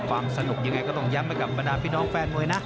ความสนุกยังไงก็ต้องย้ำไปกับบรรดาพี่น้องแฟนมวยนะ